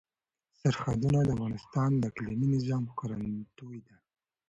سرحدونه د افغانستان د اقلیمي نظام ښکارندوی ده.